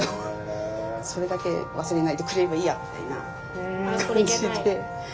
それだけ忘れないでくれればいいやみたいな感じで。